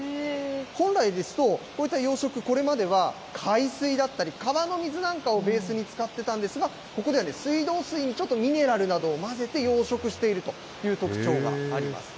本来ですと、こういった養殖、これまでは海水だったり、川の水なんかをベースに使ってたんですが、ここでは、水道水にちょっとミネラルなどを混ぜて養殖しているという特徴があります。